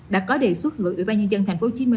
đã có đề xuất quỹ ban nhân dân tp hcm